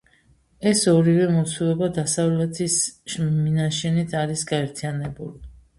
ეს ორივე მოცულობა დასავლეთის მინაშენით არის გაერთიანებული.